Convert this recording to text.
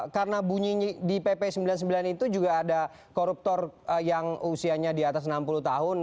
karena bunyi di pp sembilan sembilan itu juga ada koruptor yang usianya di atas enam puluh tahun